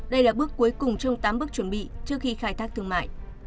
đây là bước cuối cùng trong tám bước chuẩn bị trước khi khai thác thương mại